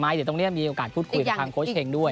เดี๋ยวตรงนี้มีโอกาสพูดคุยกับทางโค้ชเฮงด้วย